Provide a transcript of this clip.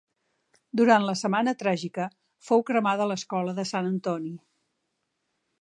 Durant la Setmana Tràgica fou cremada l'escola de Sant Antoni.